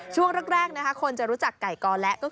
ช่วงแรกคนจะรู้จักไก่กอและ